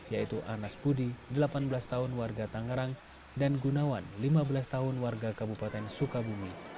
yaitu anas budi delapan belas tahun warga tangerang dan gunawan lima belas tahun warga kabupaten sukabumi